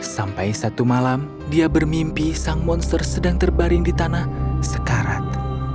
sampai satu malam dia bermimpi sang monster sedang terbaring di tanah sekarat